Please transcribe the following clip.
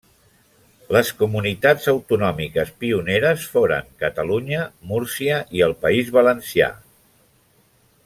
Les comunitats autonòmiques pioneres foren Catalunya, Múrcia i el País Valencià.